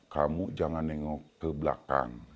kamu jangan nengok ke belakang